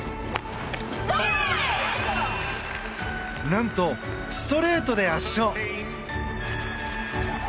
何と、ストレートで圧勝。